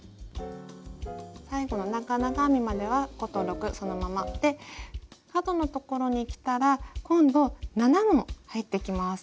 最後の長々編みまでは５と６そのままで角のところにきたら今度７も入ってきます。